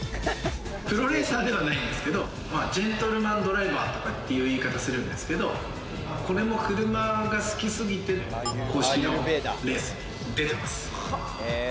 プロレーサーではないんですけど、ジェントルマンドライバーとかっていう言い方するんですけど、これも車が好きすぎて公式のレースに出てます。